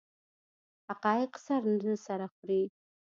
حقایق سر نه سره خوري.